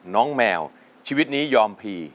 น้องแมวชีวิตนี้ยอมผี